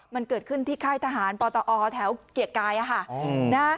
มันเกิดขึ้นที่ค่ายทหารปตอแถวเกียรติกายค่ะนะ